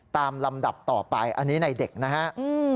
ตามลำดับต่อไปอันนี้ในเด็กนะครับ